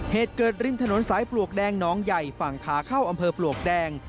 เหตุเกิดริมถนนสายปลวกแดงน้องใหญ่ฝั่งขาเข้าอำเภอปลวกแดง